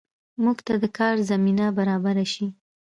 موږ ته د کار زمینه برابره شي